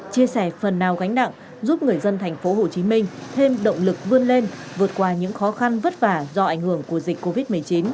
chia sẻ phần nào gánh đặng giúp người dân thành phố hồ chí minh thêm động lực vươn lên vượt qua những khó khăn vất vả do ảnh hưởng của dịch covid một mươi chín